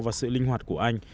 và sự linh hoạt của anh